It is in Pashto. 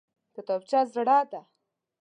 کتابچه زړه ده!